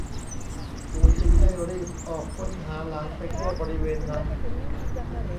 ปู่จึงได้รีบออกค้นหาหลานไปทั่วบริเวณนั้น